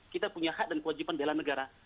kita punya hak dan kewajiban bela negara